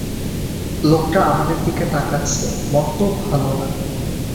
লোকটা আমাদের দিকে তাকাচ্ছে, মতলব ভালো না।